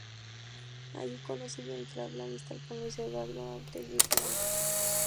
Allí conoce y entabla amistad con Luis Eduardo Aute y Luis Mendo.